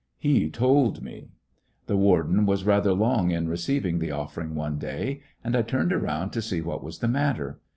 He told me. The warden was rather long in receiv ing the ofiGering one day, and I turned around to see what was the matter.